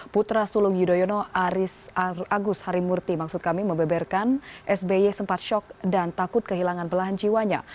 putra sulung yudhoyono agus harimurti maksud kami membeberkan sby sempat shock dan takut kehilangan belahan jiwanya